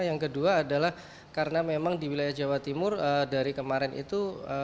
yang kedua adalah karena memang di wilayah jawa timur dari kemarin itu